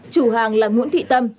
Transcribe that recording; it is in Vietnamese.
chủ hàng là nguyễn thị tâm